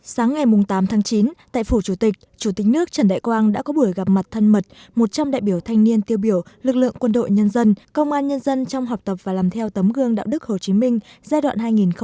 sáng ngày tám tháng chín tại phủ chủ tịch chủ tịch nước trần đại quang đã có buổi gặp mặt thân mật một trăm linh đại biểu thanh niên tiêu biểu lực lượng quân đội nhân dân công an nhân dân trong học tập và làm theo tấm gương đạo đức hồ chí minh giai đoạn hai nghìn một mươi sáu hai nghìn hai mươi